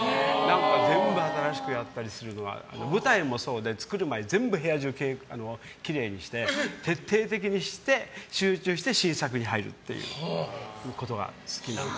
全部新しくやったりするのは舞台もそうで作る前全部部屋中きれいにして徹底的にして集中して新作に入るっていうことが好きなんです。